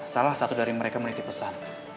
salah satu dari mereka menitip pesan